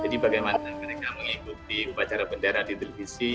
jadi bagaimana mereka mengikuti upacara bendera di televisi